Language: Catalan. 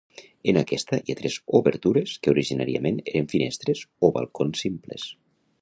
En aquesta hi ha tres obertures que originàriament eren finestres o balcons simples.